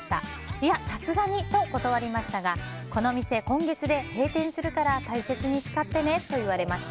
いや、さすがにと断りましたがこの店、今月で閉店するから大切に使ってねと言われました。